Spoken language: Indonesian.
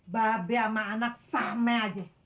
ba be sama anak same aja